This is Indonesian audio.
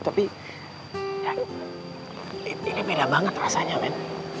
tapi ya ini beda banget rasanya men